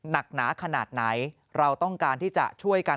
หนักหนาขนาดไหนเราต้องการที่จะช่วยกัน